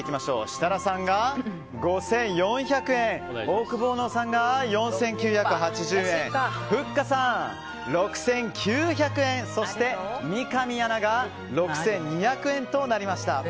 設楽さんが５４００円オオクボーノさんが４９８０円ふっかさん、６９００円そして三上アナが６２００円となりました。